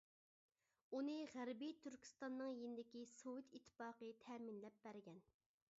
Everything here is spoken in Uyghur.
ئۇنى غەربىي تۈركىستاننىڭ يېنىدىكى سوۋېت ئىتتىپاقى تەمىنلەپ بەرگەن.